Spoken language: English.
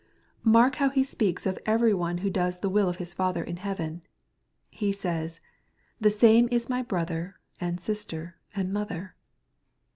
Mark how He speaks of every one who does the will of His Father in heaven. He says, ^^ the same is my brother, and sister, and mother.